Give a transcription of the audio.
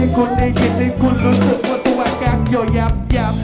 ให้คุณได้คิดให้คุณรู้สึกว่าตัวแก๊กโยแย๊บแย๊บ